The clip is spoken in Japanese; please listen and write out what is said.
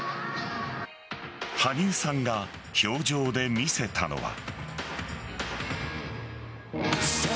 羽生さんが氷上で見せたのは。